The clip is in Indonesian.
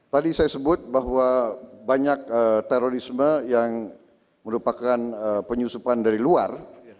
tadi saya sebut bahwa banyak terorisme yang merupakan penyusupan dari luar